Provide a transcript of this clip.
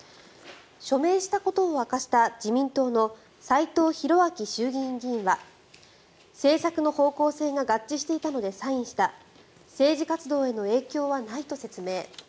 署名したことを明かした自民党の斎藤洋明衆議院議員は政策の方向性が合致していたのでサインした政治活動への影響はないと説明。